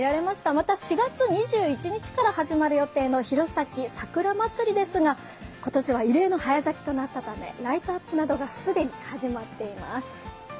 また４月２１日から始まる予定の弘前さくらまつりですが今年は異例の早咲きとなっためライトアップなどが既に始まっています。